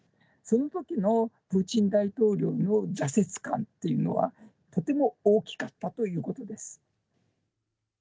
そのときのプーチン大統領の挫折感っていうのは、とても大きかったということです。